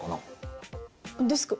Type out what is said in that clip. デスク。